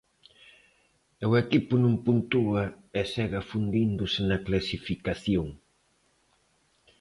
E o equipo non puntúa e segue afundíndose na clasificación.